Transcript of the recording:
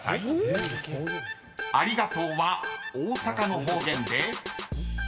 ［ありがとうは大阪の方言で？］